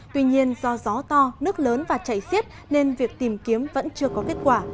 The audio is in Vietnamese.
tuy nhiên do gió to nước lớn và chảy xiết nên việc tìm kiếm vẫn chưa có kết quả